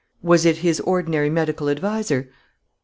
"Was it his ordinary medical adviser?"